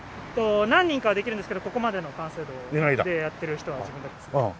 何人かはできるんですけどここまでの完成度でやってる人は自分だけです。